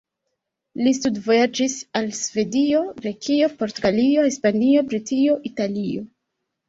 Li studvojaĝis al Svedio, Grekio, Portugalio, Hispanio, Britio, Italio.